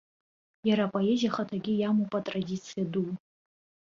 Иара апоезиа ахаҭагьы иамоуп атрадициа ду.